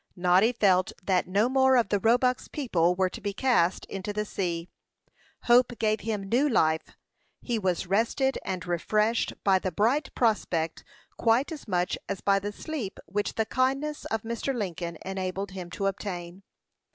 Noddy felt that no more of the Roebuck's people were to be cast into the sea. Hope gave him new life. He was rested and refreshed by the bright prospect quite as much as by the sleep which the kindness of Mr. Lincoln enabled him to obtain.